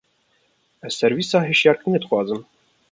Ez servîsa hişyarkirinê dixwazim.